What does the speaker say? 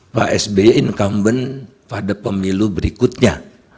pak sby incumbent pada pemilu berikutnya